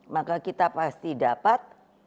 maka kita pasti dapat